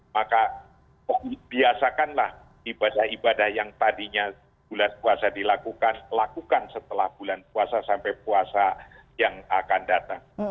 maka biasakanlah ibadah ibadah yang tadinya bulan puasa dilakukan lakukan setelah bulan puasa sampai puasa yang akan datang